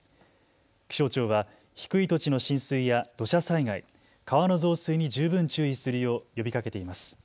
気象庁は低い土地の浸水や土砂災害、川の増水に十分注意するよう呼びかけています。